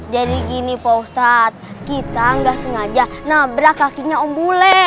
jadi gini pak ustaz kita gak sengaja nabrak kakinya om bule